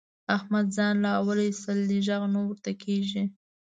احمد ځان له اوله اېستلی دی؛ غږ نه ورته کېږي.